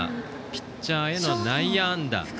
ピッチャーへの内野安打。